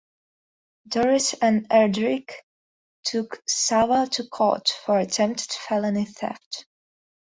Dorris and Erdrich took Sava to court for attempted felony theft.